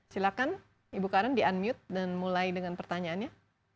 silakan ibu karen di unmute dan mulai dengan pertanyaannya